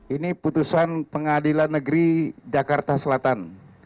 ini putusan pengadilan negeri jakarta selatan